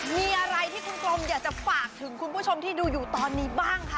มีอะไรที่คุณผู้ชมอยากจะฝากถึงคุณผู้ชมที่ดูอยู่ตอนนี้บ้างคะ